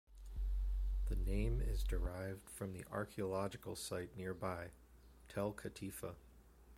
The name is derived from the archaeological site nearby, Tel Katifa.